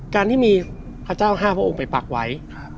การที่มีพระเจ้า๕พระองค์ไปปักไว้